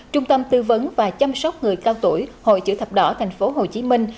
trung tâm tư vấn và chăm sóc người cao tuổi hội chữ thập đỏ thành phố hồ chí minh